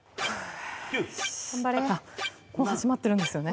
あっもう始まってるんですよね・